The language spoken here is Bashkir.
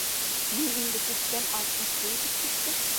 Мин инде күптән алтмышты үтеп киттем.